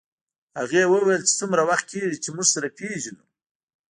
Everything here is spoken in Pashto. هغې وویل چې څومره وخت کېږي چې موږ سره پېژنو